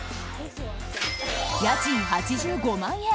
家賃８５万円。